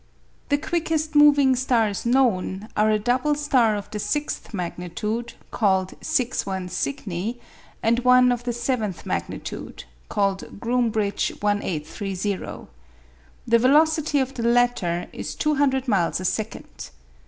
The quickest moving stars known are a double star of the sixth magnitude, called 61 Cygni, and one of the seventh magnitude, called Groombridge 1830. The velocity of the latter is 200 miles a second.